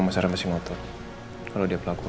saya pikir kamu udah tidur